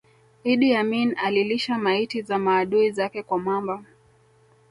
Idi Amin alilisha maiti za maadui zake kwa mamba